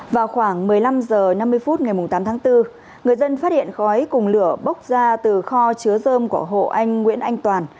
vào khoảng một mươi năm h năm mươi phút ngày tám tháng bốn người dân phát hiện khói cùng lửa bốc ra từ kho chứa dơm của hộ anh nguyễn anh toàn